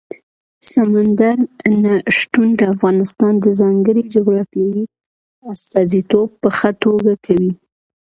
سمندر نه شتون د افغانستان د ځانګړي جغرافیې استازیتوب په ښه توګه کوي.